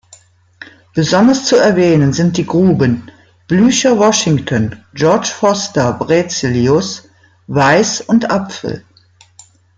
Besonders zu erwähnen sind die Gruben "Blücher, Washington, Georg Forster, Berzelius, Weiß und Apfel".